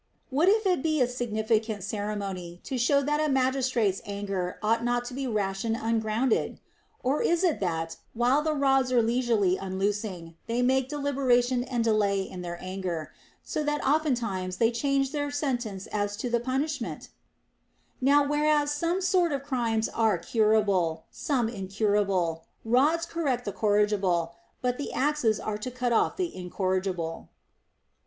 What if it be a significant ceremony, to show that a magistrate's anger ought not to be rash and un σ σο grounded 1 Or is it that, while the rods are leisurely un loosing, they make deliberation and delay in their anger, so that oftentimes they change their sentence as to the punishment X Now, whereas some sort of crimes are curable, some incurable, rods correct the corrigible, but the axes are to cut off the incorrigible.